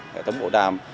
hệ thống bộ đàm